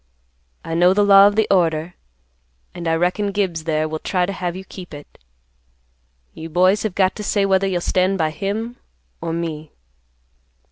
I know the law of the order, and I reckon Gibbs there will try to have you keep it. You boys have got to say whether you'll stand by him or me.